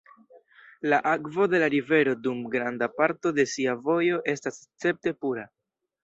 La akvo de la rivero dum granda parto de sia vojo estas escepte pura.